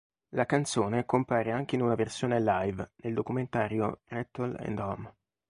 La canzone compare anche in una versione live nel documentario "Rattle and Hum".